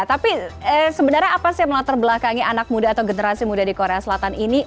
tapi sebenarnya apa sih yang melatar belakangi anak muda atau generasi muda di korea selatan ini